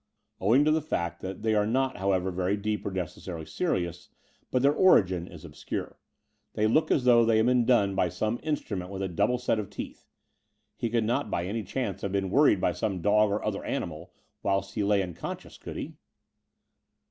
Owing to that fact they are not, however, very deep or necessarily serious; but their origin is obscure. They look as though they had been done by some instrument with a double set of teeth. He could not by any chance have been worried by some dog or other animal, whilst he lay unconscious, could he?"